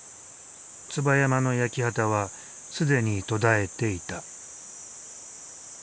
椿山の焼き畑は既に途絶えていた。